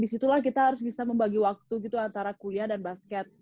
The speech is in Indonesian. disitulah kita harus bisa membagi waktu gitu antara kuliah dan basket